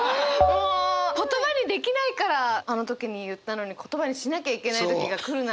もう言葉にできないからあの時に言ったのに言葉にしなきゃいけない時が来るなんて。